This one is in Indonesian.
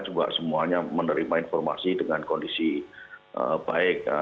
juga semuanya menerima informasi dengan kondisi baik